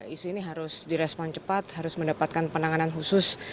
isu ini harus direspon cepat harus mendapatkan penanganan khusus